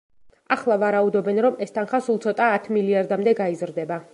ახლა ვარაუდობენ, რომ ეს თანხა, სულ ცოტა, ათ მილიარდამდე გაიზრდება.